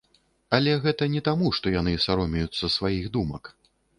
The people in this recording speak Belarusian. Але гэта не таму, што яны саромеюцца сваіх думак.